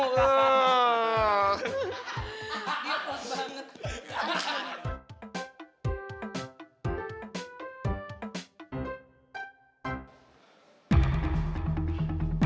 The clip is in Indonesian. dia puas banget